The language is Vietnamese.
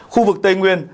khu vực tây nguyên